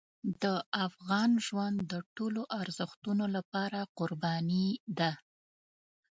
د افغان ژوند د خپلو ارزښتونو لپاره قرباني ده.